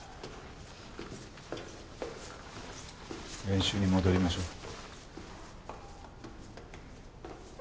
練習に戻りましょう。